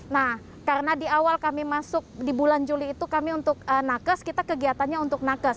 nah karena di awal kami masuk di bulan juli itu kami untuk nakes kita kegiatannya untuk nakes